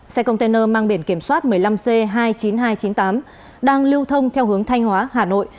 xe container mang biển kiểm soát một mươi năm c hai mươi chín nghìn hai trăm chín mươi tám đang lưu thông theo hướng thanh hóa hà nội